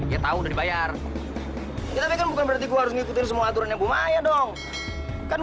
ya tahu udah dibayar kita kan bukan berarti gue harus ngikutin semua aturannya bu maya dong kan